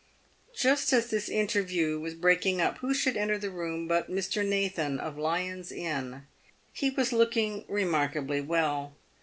Just as this interview was breaking up, who should enter the room but Mr. Nathan, of Lyon's Inn. He was looking remarkably well.